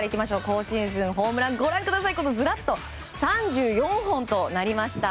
今シーズン、ホームランはずらっと、３４本となりました。